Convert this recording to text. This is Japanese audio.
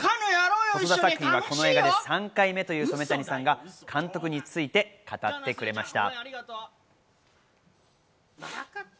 細田作品はこの映画が３回目という染谷さんが監督について語ってくれました。